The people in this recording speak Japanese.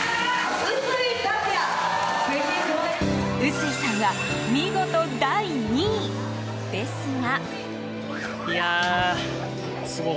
薄井さんは見事、第２位！ですが。